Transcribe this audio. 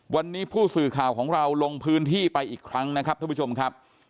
วันนี้ผู้สื่อข่าวของเราลงพื้นที่ไปอีกครั้งนะครับท่านผู้ชมครับ